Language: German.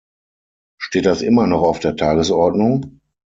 Steht das immer noch auf der Tagesordnung?